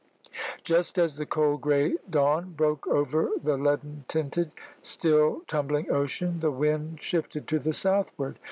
Just as the cold grey dawn broke over the leaden tinted, still tumbling ocean, the wind shifted to the southward.